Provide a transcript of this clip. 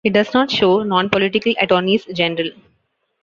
It does not show non-political attorneys-general.